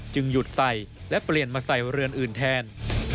หยุดใส่และเปลี่ยนมาใส่เรือนอื่นแทน